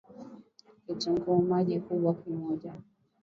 Kitunguu maji Kikubwa moja